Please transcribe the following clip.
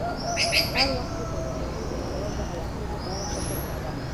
هر وخت چې په غوسه کېږې نو اول د عواقبو په اړه فکر کوه.